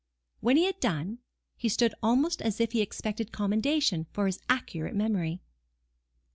When he had done, he stood almost as if he expected commendation for his accurate memory.